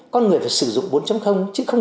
con người phải sử dụng bốn